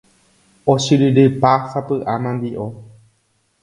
Ochyryrypa sapy'a mandi'o